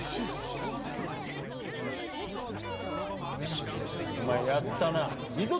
柊お前やったな？